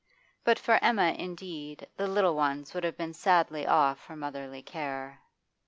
But for Emma, indeed, the little ones would have been sadly off for motherly care.